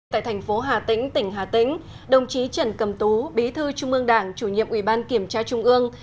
tại thành phố hà tĩnh tỉnh hà tĩnh đồng chí trần cầm tú bí thư trung ương đảng chủ nhiệm ủy ban kiểm tra trung ương